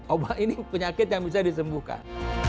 obat ini penyakit yang bisa disembuhkan